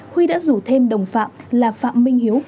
huy đã rủ thêm đồng phạm là phạm minh hiếu